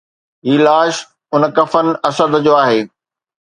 هي لاش اڻ کفن اسد جو آهي